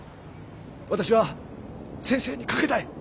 私は先生に賭けたい！